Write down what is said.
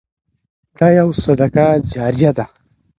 دا يو صدقه جاريه ده.